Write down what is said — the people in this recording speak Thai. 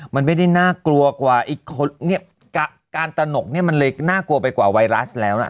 มันไม่ได้น่ากลัวกว่าการตนกเนี่ยมันเลยน่ากลัวไปกว่าไวรัสแล้วนะ